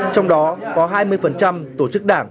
trong đó có hai mươi tổ chức đảng